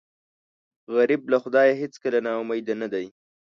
غریب له خدایه هېڅکله نا امیده نه دی